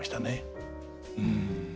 うん。